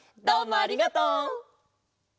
どうもありがとう！